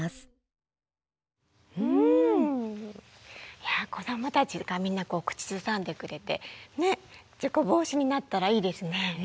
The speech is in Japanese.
いや子どもたちがみんな口ずさんでくれて事故防止になったらいいですね。